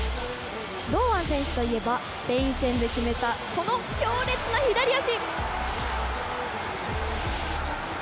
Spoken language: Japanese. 堂安選手といえばスペイン戦で決めた強烈な左足！